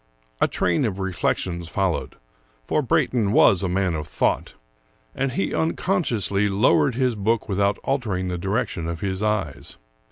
A train of reflections followed — for Brayton was a man of thought — and he unconsciously lowered his book with out altering the direction of his eyes.